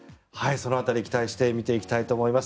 その辺り期待して見ていきたいと思います。